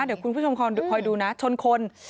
เดี๋ยวคุณผู้ชมคอยดูนะชนคน